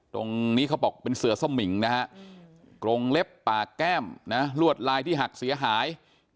เขาบอกเป็นเสือสมิงกรงเล็บปากแก้มลวดลายที่หักเสียหาย